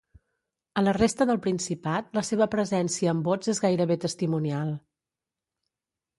A la resta del Principat la seva presència en vots és gairebé testimonial.